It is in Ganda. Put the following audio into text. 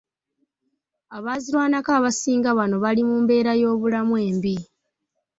Abaazirwanako abasinga bano bali mu mbeera y'obulamu embi .